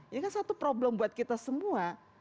ini kan satu problem buat kita semua